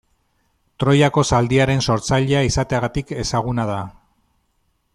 Troiako Zaldiaren sortzailea izateagatik ezaguna da.